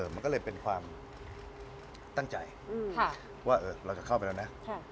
มันก็เลยเป็นความตั้งใจว่าเราจะเข้าไปแล้วนะ